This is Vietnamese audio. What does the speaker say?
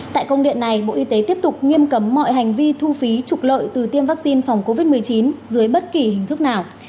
tại công điện này bộ y tế tiếp tục nghiêm cấm mọi hành vi thu phí trục lợi từ tiêm vaccine phòng covid một mươi chín dưới bất kỳ hình thức nào